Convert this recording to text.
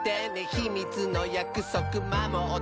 「ひみつのやくそくまもったら」